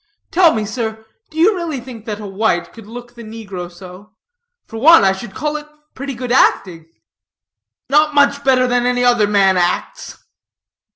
Tell me, sir, do you really think that a white could look the negro so? For one, I should call it pretty good acting." "Not much better than any other man acts."